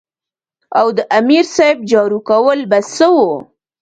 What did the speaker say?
او د امیر صېب جارو کول به څۀ وو ـ